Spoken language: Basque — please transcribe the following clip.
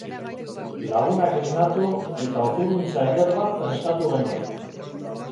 Lagunak esnatu, eta oturuntza eder bat prestatu genuen.